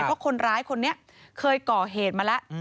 เพราะคนร้ายคนนี้เคยก่อเหตุมาแล้ว